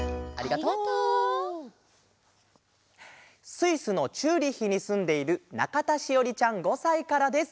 スイスのチューリッヒにすんでいるなかたしおりちゃん５さいからです。